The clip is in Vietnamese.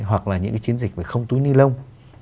hoặc là những cái chiến dịch về không túi ni lông